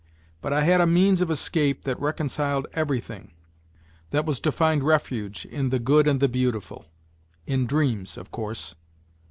But I had a means of escape that reconciled everything that was to find refuge in " the good and the beautiful," in dreams, of course.